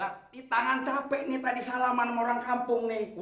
rasanya jelek lu mau gak mau ngapau